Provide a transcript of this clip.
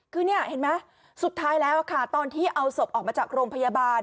คือนี่เห็นไหมสุดท้ายแล้วค่ะตอนที่เอาศพออกมาจากโรงพยาบาล